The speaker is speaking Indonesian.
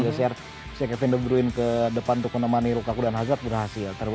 biasanya kevin de bruyne ke depan untuk menemani rukaku dan hazard berhasil